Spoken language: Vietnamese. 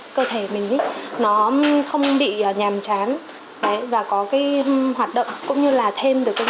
và có cái hoạt động cũng như là thêm được các nguồn thương nhập cho mình